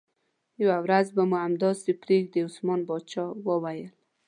یوه ورځ به مو همداسې پرېږدي، عثمان باچا وویل.